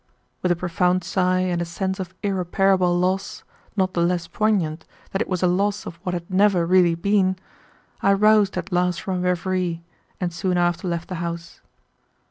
With a profound sigh and a sense of irreparable loss, not the less poignant that it was a loss of what had never really been, I roused at last from my reverie, and soon after left the house.